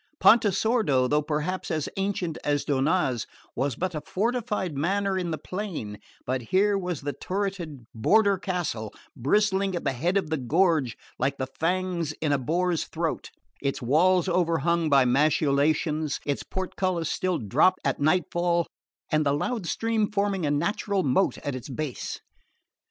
Pontesordo, though perhaps as ancient as Donnaz, was but a fortified manor in the plain; but here was the turreted border castle, bristling at the head of the gorge like the fangs in a boar's throat: its walls overhung by machicolations, its portcullis still dropped at nightfall, and the loud stream forming a natural moat at its base.